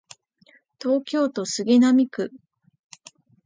東京都杉並区